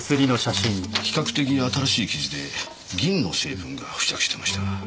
比較的新しい傷で銀の成分が付着していました。